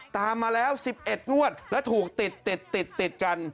ตามมาแล้ว๑๑งวดแล้วถูกติดติดกัน